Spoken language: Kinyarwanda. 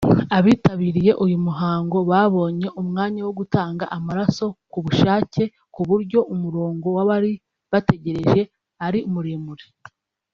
Abitabiriye uyu muhango babonye umwanya wo gutanga amaraso ku bushake ku buryo umurongo w’abari bategereje ari muremure